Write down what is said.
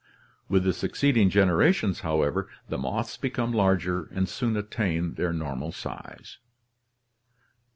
With the succeeding generations, however, the moths become larger and soon attain their normal size.